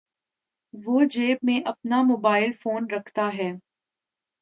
وہ جیب میں اپنا موبائل فون رکھتا ہے۔